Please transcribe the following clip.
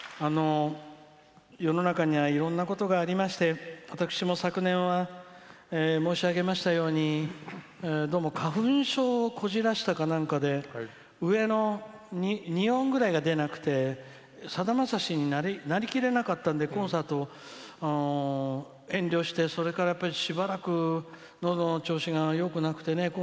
世の中にはいろんなことがありまして私も昨年は申し上げましたようにどうも花粉症をこじらせたかなんかで上の２音ぐらいが出なくてさだまさしになりきれなかったんでコンサートを遠慮して、それからしばらくのどの調子がよくなくてね。